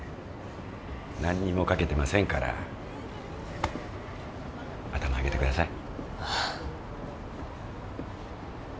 何にもかけてませんから頭上げてください。